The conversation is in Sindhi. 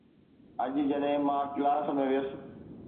اڄ جڏهن مان ڪلاس ۾ ويس